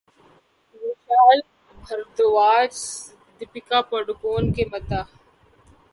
ویشال بھردواج دپیکا پڈوکون کے مداح